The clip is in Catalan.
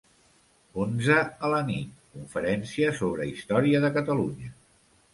Onze a la nit: conferència sobre història de Catalunya.